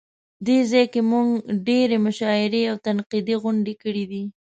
دغه ځای کې مونږ ډېرې مشاعرې او تنقیدي غونډې کړې دي.